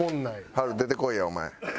はる出てこいやお前。